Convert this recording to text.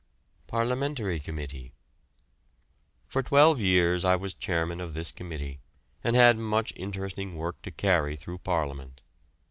PARLIAMENTARY COMMITTEE. For twelve years I was chairman of this committee, and had much interesting work to carry through Parliament.